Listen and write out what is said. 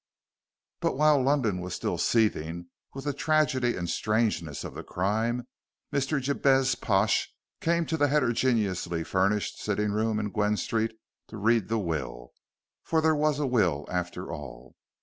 But while London was still seething with the tragedy and strangeness of the crime, Mr. Jabez Pash came to the heterogeneously furnished sitting room in Gwynne Street to read the will. For there was a will after all.